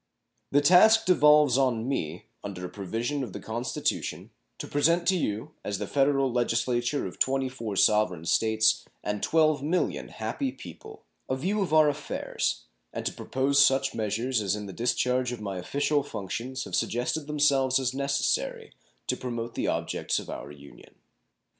The task devolves on me, under a provision of the Constitution, to present to you, as the Federal Legislature of 24 sovereign States and 12,000,000 happy people, a view of our affairs, and to propose such measures as in the discharge of my official functions have suggested themselves as necessary to promote the objects of our Union.